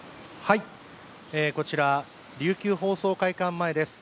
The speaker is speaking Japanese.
こちら、琉球放送会館前です。